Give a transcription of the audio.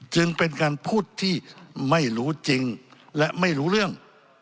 จึงเป็นการพูดที่ไม่รู้จริงและไม่รู้เรื่อง